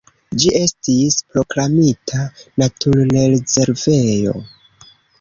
Ĝi estis proklamita naturrezervejo.